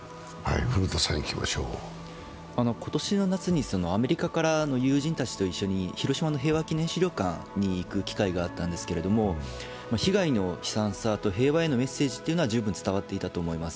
今年の夏にアメリカからの友人たちと一緒に広島の平和記念資料館に行く機会があったんですけれども被害の悲惨さと平和へのメッセージは十分伝わっていたと思います。